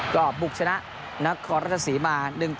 ก็บุคชนะนัทธวรรษศรีมา๑๐